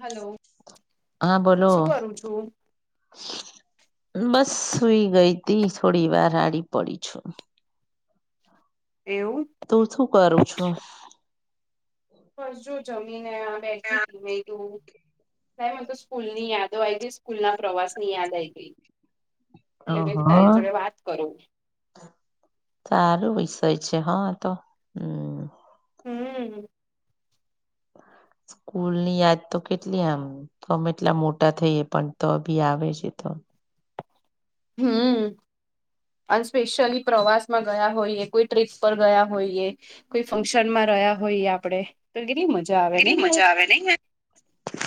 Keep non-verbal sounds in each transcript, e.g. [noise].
Hello હા બોલો શું કરું છું બસ સુઈ ગઈ તી થોડી વાર આડી પડી છું એવું તું શું કરું છું? બસ જો જમીને આ બેઠી તી મે [unintelligible] યાર મને તો સ્કૂલની યાદો આઈ ગઈ સ્કૂલ ના પ્રવાસ ની યાદ આવી ગઈ એટલે મે તારી જોડે વાત કરું. સારું વિષય છે હા તો હમ્મ હમ્મ સ્કૂલની યાદ તો કેટલી આમ અમે એટલા મોટા થઈએ પણ તો ભી આવે છે તો હમ્મ અને સ્પેશિયલી પ્રવાસમાં ગયા હોઈએ કોઈ ટ્રીપ પર ગયા હોઈએ. કોઈ ફંક્શનમાં રહ્યા હોયએ આપડે તો કેટલી મજ કેટલી મજા આવે નઈ યાર [inaudible]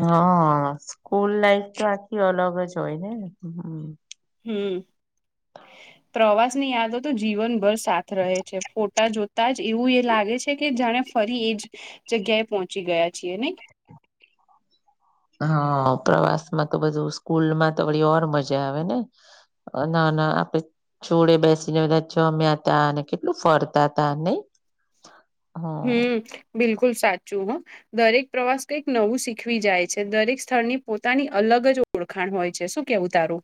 હા સ્કૂલ લાઈફ તો આખી અલગ જ હોય ને હમ્મ હમ્મ પ્રવાસની યાદો તો જીવનભર સાથ રહે છે ફોટા જોતા જ એવું એ લાગે છે કે જાણે ફરી એજ જગ્યાએ પહોંચી ગયા છીએ નઈ હા પ્રવાસમાં તો બધું સ્કૂલમાં તો વળી ઓર મજા આવે ને [unintelligible] જોડે બેસીને બધા જમ્યા તા ને કેટલું ફરતા તા નઈ હમ્મ હ બિલકુલ સાચું હ દરેક પ્રવાસ કઈક નવું શીખવી જાય છે દરેક સ્થળની પોતાની અલગ જ ઓળખાણ હોય છે શું કેવું તારું?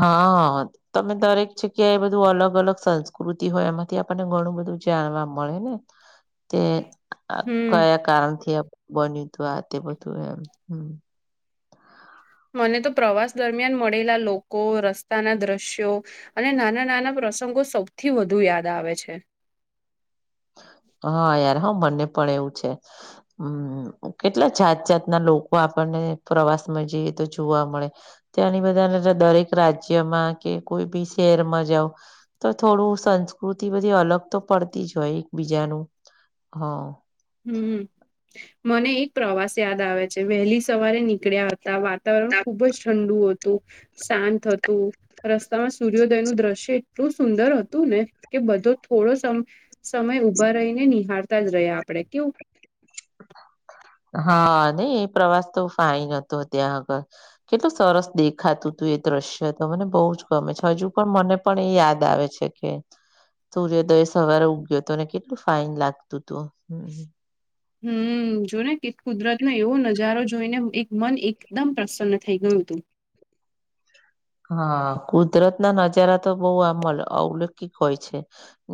હા તમે દરેક જગ્યા એ બધું અલગ અલગ સંસ્કૃતિ હોય એમાંથી આપણને ઘણું બધું જાણવા મળે ને [inaudible] તે આ હમ કયા કારણથી આ બન્યું તું આ તે બધું એમ હમ્મ મને તો પ્રવાસ દરમિયાન મળેલા લોકો રસ્તાના દ્રશ્યો અને નાના નાના પ્રસંગો સૌથી વધુ યાદ આવે છે. હા યાર હા મને પણ એવું છે. હમ્મ કેટલા જાત જાતના લોકો આપણને પ્રવાસમાં જઈએ તો જોવા મળે ત્યાંની બધાને જો દરેક રાજ્યમાં કે કોઈ બી શહેરમાં જાવ તો થોડું સંસ્કૃતિ બધી અલગ તો પડતી જ હોય એકબીજાનું હ હમ્મ મને એક પ્રવાસ યાદ આવે છે વહેલી સવારે નીકળ્યા વાતાવરણ ખુબ જ ઠંડુ હતું શાંત હતું. રસ્તામાં સૂર્યોદયનું દ્રશ્ય એટલું સુંદર હતું ને કે બધો થોડો સમ સમય ઉભા રહીને નિહાળતા જ રહ્યા આપણે કેવું હા નઈ એ પ્રવાસ તો ફાઈન હતો ત્યાં આગળ કેટલું સરસ દેખાતું તું એ દ્રશ્ય તો મને બહુ જ ગમે છે હજુ પણ મને પણ એ યાદ આવે છે. કે સૂર્યોદય સવારે ઉગ્યો તો અને કેટલું ફાઈન લાગતું તું હમ્મ જો ને કે કુદરતનો એવો નજારો જોઈને એક મન એકદમ પ્રસન્ન થઈ ગયું તું હા કુદરતના નજારા તો બહું આમ ઔલોકિક હોય છે.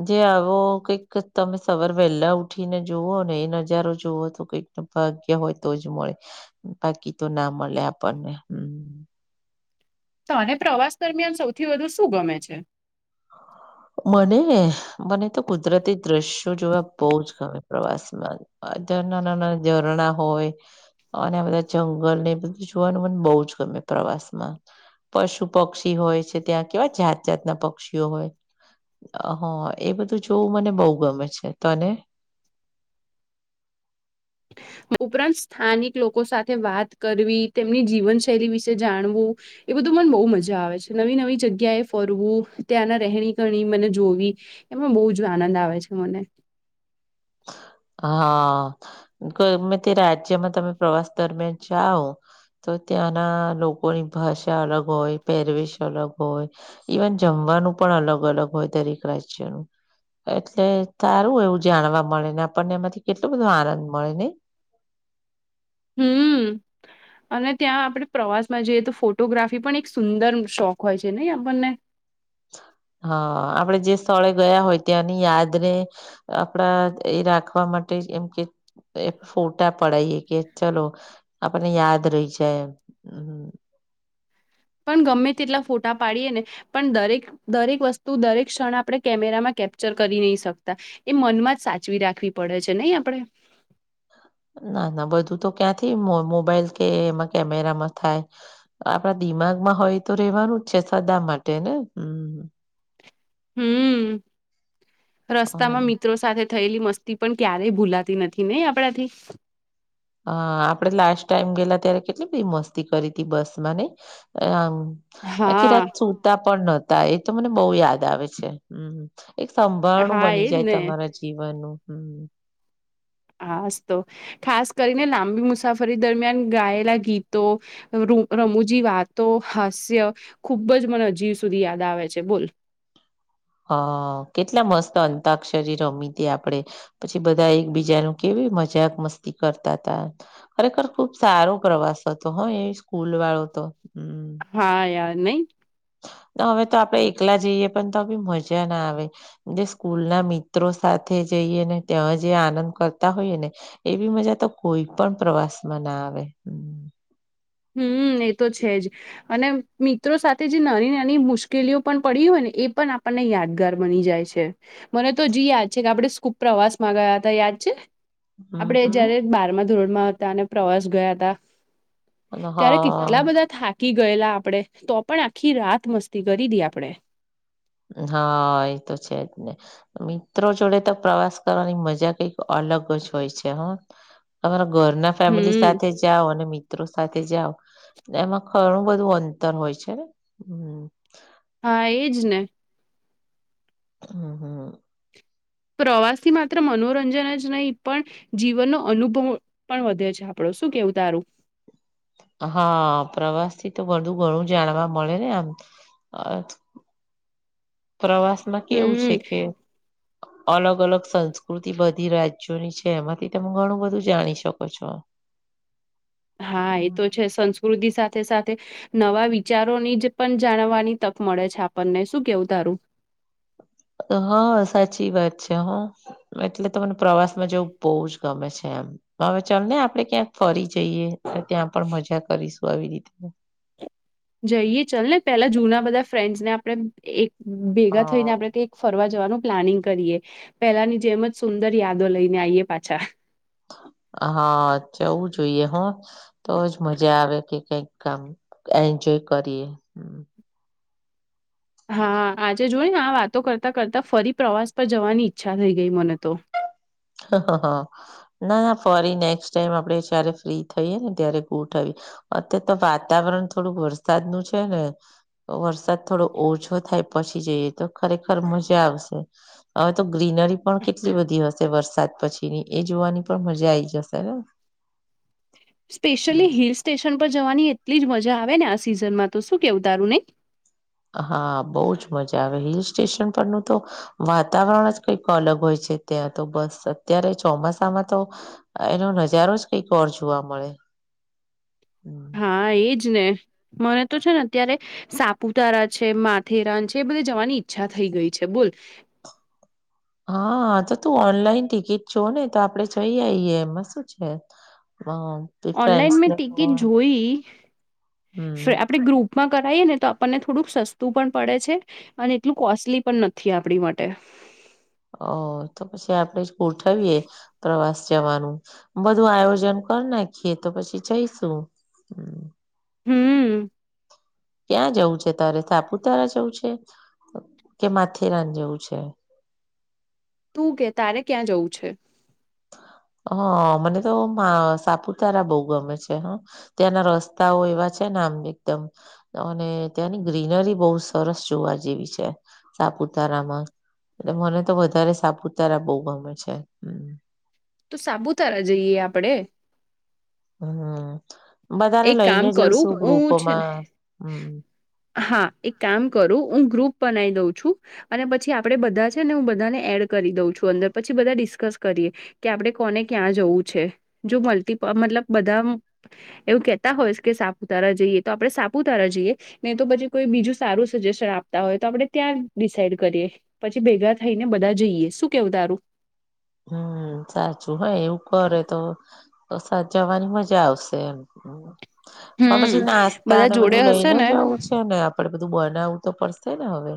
જે આવો કઈક તમે સવાર વહેલા ઉઠીને જુઓ ને એ નજારો જુવો તો કઈક ભાગ્ય હોય જ મળે બાકી તો ના મળે આપણને હ તને પ્રવાસ દરમિયાન સૌથી વધુ શું ગમે છે? [inaudible] મને મને તો કુદરતી દ્રશ્યો જોવા બહુ જ ગમે પ્રવાસમાં [unintelligible] નાના ઝરણા હોય અને આ બધા જંગલ ને બધું જોવાનું મને બહુ જ ગમે પ્રવાસમાં. પશુ પક્ષી હોય છે ત્યાં કેવા જાત જાતના પક્ષી હોય હ એ બધું જોવું મને બહુ ગમે છે. તને? ઉપરાંત સ્થાનિક લોકો સાથે વાત કરવી તેમની જીવનશૈલી વિશે જાણવું એ બધું મને બહુ મજા આવે છે નવી નવી જગ્યાએ ફરવું ત્યાંના રહેણી કરણી મને જોવી એમાં બહુ જ આનંદ આવે છે મને. હા ગમે તે રાજ્યમાં તમે પ્રવાસ દરમિયાન જાઓ તો ત્યાંના લોકોની ભાષા અલગ હોય પહેરવેશ અલગ હોય. ઇવન જમવાનું પણ અલગ અલગ હોય દરેક રાજ્યનું. એટલે સારું એવું જાણવા મળે ને આપણને એમાંથી કેટલો બધો આનંદ મળે ને નહી? હમ અને ત્યાં આપણે પ્રવાસમાં જઈએ તો ફોટોગ્રાફી પણ એક સુંદર શોખ હોય છે નહી આપણને? હા આપડે જે સ્થળે ગયા હોય ત્યાંની યાદને આપણા એ રાખવા માટે એમ કે એ ફોટા પડાયએ કે ચલો આપણને યાદ રહી જાય. પણ ગમે તેટલા ફોટા પાડીએ ને પણ દરેક દરેક વસ્તુ દરેક ક્ષણ આપણે કેમેરામાં કેપ્ચર કરી નહી શકતા એ મનમાં જ સાચવી રાખવી પડે છે નહી આપડે? ના ના બધું તો ક્યાંથી મોબાઈલ કે એમાં કેમેરામાં થાય આપડા દિમાગમાં હોય તો રેવાનું જ છે સદા માટે ને હમ. હમ રસ્તામાં હમ્મ. મિત્રો સાથે થયેલી મસ્તી પણ ક્યારેય ભૂલાતી નથી નહી આપણાથી? હ આપડે લાસ્ટ ટાઈમ ગયેલા ત્યારે કેટલી બધી મસ્તી કરી હતી બસમાં નહી? આમ આખી હા રાત સૂતા પણ નહતા એ તો મને બહુ યાદ આવે છે. હમ એક સંભાણું હા બની એજ જાય ને તમારા જીવનનું હમ. હાસ તો ખાસ કરીને લાંબી મુસાફરી દરમિયાન ગાયેલા ગીતો રમૂજી વાતો હાસ્ય ખુબ જ મને હજી સુધી યાદ આવે છે બોલ. હ કેટલા મસ્ત અંતાક્ષરી રમી હતી આપડે. પછી બધા એક બીજાનું કેવી મજાક મસ્તી કરતા હતા. ખરેખર ખુબ સારો પ્રવાસ હતો હ એ સ્કૂલ વાળો તો હમ. હા યાર નહી? હવે તો આપડે એકલા જઈએ પણ તો બી મજા ના આવે જે સ્કૂલ ના મિત્રો સાથે જઈએ ને ત્યાં જે આનંદ કરતા હોઈએ ને એવી મજા તો કોઈ પણ પ્રવાસમાં ના આવે. હમ એ તો છે જ અને મિત્રો સાથે જે નાની નાની મુશ્કેલીઓ પણ પડી હોય ને એ પણ આપણને યાદ ઘર બની જાય છે મને તો હજી યાદ છે કે આપડે [unintelligible] પ્રવાસ માં ગયા હતા યાદ છે? આપણે હમ જયારે બારમાં ધોરણમાં હતા અને પ્રવાસ ગયા હતા. અને હ ત્યારે કેટલા બધા થાકી ગયેલા આપણેે તો પણ આખી રાત મસ્તી કરી હતી આપડે. હા એ તો છે જ ને મિત્રો જોડે તો પ્રવાસ કરવાની મજા કઈક અલગ જ હોય છે હ. તમારા ઘરના ફેમિલી હમ સાથે જ જાઓ અને મિત્રો સાથે જાઓ એમાં ઘણું બધું અંતર હોય છે ને હા એજ ને હમ્મ હમ્મ. પ્રવાસ થી માત્ર મનોરંજન જ નહીં પણ જીવનનો અનુભવ પણ વધે છે આપડું શું કેવું તારું હા પ્રવાસ થી તો બધું ઘણું જાણવા મળે ને આમ પ્રવાસ માં કેવું હમ છે કે [inaudible] અલગ અલગ સંસ્કૃતિ બધી રાજ્યોની છે એમાંથી તમે ઘણું બધું જાણી શકો છો. હા એ તો છે સંસ્કૃતિ સાથે સાથે નવા વિચારોની જ પણ જાણવાની તક મળે છે આપણને શું કેવું તારું હ સાચી વાત છે હો. એટલે ત મને પ્રવાસમાં જવું બહુ જ ગમે છે એમ. હવે ચાલ ને આપડે ક્યાંક ફરી જઈએ ત્યાં પણ મજા કરીશું આવી રીતે. જઈએ ચાલ ને પેલા જૂના બધા ફ્રેન્ડસ ને આપડે એક ભેગા થઈને હ આપણે કઈ ફરવા જવાનું પ્લાનિંગ કરીએ પેલાની જેમ જ સુંદર યાદો લઈને આઈએ પાછા. હા જવું જોઈએ હો તોજ મજા આવે કે કઈક કામ એન્જોય કરીએ. હા આજે જોઈ ને વાતો કરતાં કરતાં ફરી પ્રવાસ પર જવાની ઈચ્છા થઈ ગઈ મને તો. હ હ ના ના ફરી નેક્સ્ટ ટાઈમ આપડે જ્યારે ફ્રી થઈએ ને ત્યારે ગોઠવીએ. અત્યાર તો વાતાવરણ થોડું વરસાદ નું છે ને. તો વરસાદ થોડો ઓછો થાય પછી જઈએ તો ખરેખર મજા આવશે. હવે તો ગ્રીનરી પણ કેટલી બધી હશે વરસાદ પછીની એ જોવાની પણ મજા આઈ જશેને. સ્પેશિયલી હિલ સ્ટેશન પર જવાની એટલી જ મજા આવે ને આ સિઝનમાં તો શું કેવું તારું નઇ. હા બહુ જ મજા આવે હિલ સ્ટેશન પરનું તો વાતાવરણ જ કંઈક અલગ હોય છે ત્યાં તો બસ અત્યારે ચોમાસામાં તો એનો નજારો જ કઈક ઓર જોવા મળે. હા એજ ને મને તો છે ને અત્યારે સાપ પૂતારા છે માથેરાન છે એ બધે જવાની ઈચ્છા થઈ ગઈ છે બોલ. હા તો તું ઓનલાઈન ટિકિટ જો ને તો આપડે જોઈ આઈએ એમાં શું છે. હા. તે ઓનલાઈન મેં ફ્રેન્ડ્સને ટિકિટ પણ જોઈ હમ્મ. આપડે ગ્રુપ માં કરાઇ ને તો આપણને થોડુંક સસ્તું પણ પડે છે. અને એટલું કોસ્ટલી પણ નથી આપડી માટે. ઓ તો પછી આપણેે જ ગોઠવીએ પ્રવાસ જવાનું. બધું આયોજન કર નાખીએ તો પછી જઈશું હમ્મ. ક્યાં જવું છે તારે સાપુતારા જવું છે કે માથેરાન જવું છે. તું કે તારે ક્યાં જવું છે. હ મને તો મા સાપુતારા બહુ ગમે છે હા. ત્યાંના રસ્તાઓ એવા છે ને આમ એકદમ અને ત્યાંની ગ્રીનરી બહુ સરસ જોવા જેવી છે સાપુતારામાં. એટલે મને તો વધારે સાપુતારા બહુ ગમે છે હ. તો સાપુતારા જઈએ આપડે. હમ્મ બધાને એક લઈને કામ કરું જઈશુ હું છે ગ્રુપમાં હમ્મ. હા એક કામ કરું હું ગ્રુપ બનાઇ દઉં છું. અને પછી આપડે બધા છે ને હું બધાને એડ કરી દઉં છું અંદર પછી બધા ડિસ્કસ કરીએ. કે આપડે કોને, ક્યાં જવું છે? જો મલ્ટીપ મતલબ બધા આમ એવું કેહેતા હોયસ કે આપડે સાપુતારા જઈએ તો આપડે સાપુતારા જઈએ નહી તો પછી કોઈ બીજું સારું સજેશન આપતા હોય તો આપડે ત્યાં ડિસાઇડ કરીએ. પછી ભેગા થઈને બધા જઈએ. શું કેવું તારું? હમ્મ સાચું હા એવું કરે તો તો સાથ જવાની મજા આવશે એમ હમ્મ. હા હમ પછી બધા નાસ્તાને જોડે બધું હશે લઈને ને જવું છ? છે ને આપડે બધું બનાવવું તો પડશે ને હવે?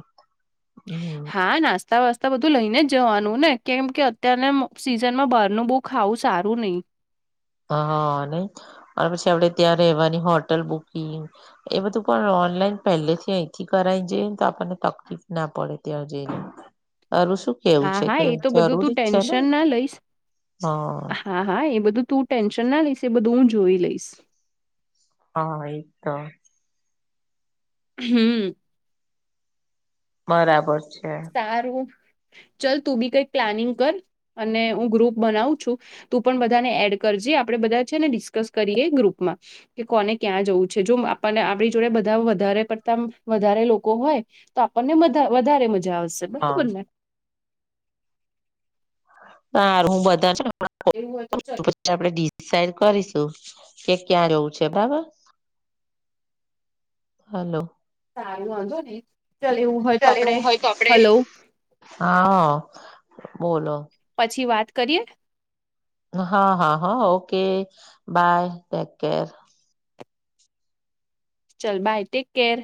હમ હા નાસ તા વાસ્તા બધું લઈને જ જાવાનું ને કેમ કે અત્યારના સીઝનમાં બહારનું બહુ ખાવું સારું નહી. હા નહી અને પછી આપડે ત્યાં રહેવાની હોટલ બુકિંગ એ બધું પણ ઓનલાઈન પહેલેથી અહીંથી કરાઇન જઈએ ને તો આપણને તકલીફ ના પડે ત્યાં જઈને. તારૂં શું? કેવું હા છે હા કે એ તો બધું તું જરૂરી જ છે ને ટેન્શન ના લઈશ અહ હા હા એ બધું તું ટેન્શન ના લઈશ એ બધું હું જોઈ લઈશ. હા એજ તો. હમ્મ. બરાબર છે. સારું ચલ તું બી કઈક પ્લાનિંગ કર અને હું ગ્રુપ બનાવું છું. તું પણ બધાને એડ કરજે આપડે બધા છે ને ડિસ્કસ કરીએ ગ્રુપમાં. કે કોને ક્યાં જવું છે જો આપણને આપણી જોડે બધા વધારે પડતા વધારે લોકો હોય તો આપણને વધા વધારે મજા આવશે હા બરોબર ને? હારુ હું બધા છેન એવું હોય તો ચલ. આપડે ડિસાઇડ કરીશું કે ક્યાં રવું છે બારા. હલો. સારું વાંધો નહીં ચલ એવું હોય તો ચાલ આપડે એવું હોય તો આપડે હલો હા આ બોલો. પછી વાત કરીએ. હા હા હા ઓકે બાય ટેક કેર. ચલ બાય ટેક કેર.